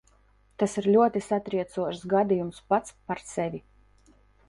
Tas ir ļoti satriecošs gadījums pats par sevi.